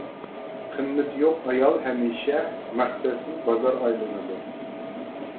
قىممىتى يوق ئايال ھەمىشە مەقسەتسىز بازار ئايلىنىدۇ.